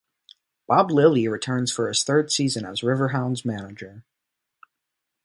Bob Lilley returns for his third season as Riverhounds manager.